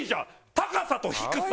高さと低さ。